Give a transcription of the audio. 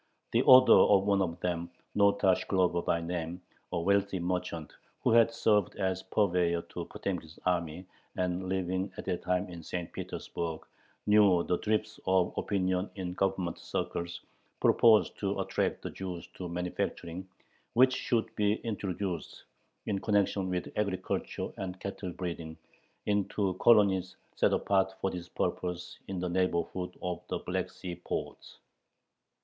The author of one of them, Nota Shklover by name, a wealthy merchant, who had served as purveyor to Potemkin's army, and, living at that time in St. Petersburg, knew the drift of opinion in Government circles, proposed to attract the Jews to manufacturing, which should be introduced, in connection with agriculture and cattle breeding, into colonies set apart for this purpose "in the neighborhood of the Black Sea ports."